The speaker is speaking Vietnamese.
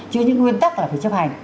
chứ những nguyên tắc là phải chấp hành